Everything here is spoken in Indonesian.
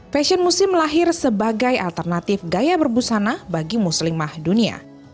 fashion muslim lahir sebagai alternatif gaya berbusana bagi muslimah dunia